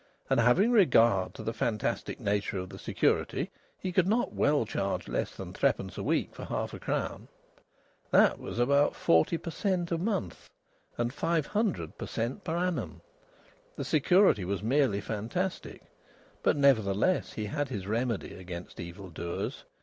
And having regard to the fantastic nature of the security, he could not well charge less than threepence a week for half a crown. That was about 40 per cent. a month and 500 per cent. per annum. The security was merely fantastic, but nevertheless he had his remedy against evil doers.